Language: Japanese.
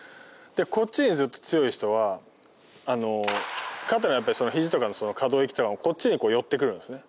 こっちにずっと強い人は肩やひじとかの可動域がこっちに寄ってくるんですね。